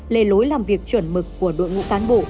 lề lối làm việc chuẩn mực của đội ngũ cán bộ